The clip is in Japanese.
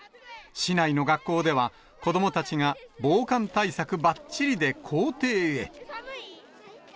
市内の学校では、子どもたちが、防寒対策ばっちりで校庭へ。